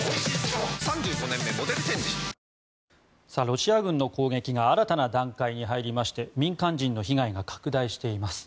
ロシア軍の攻撃が新たな段階に入りまして民間人の被害が拡大しています。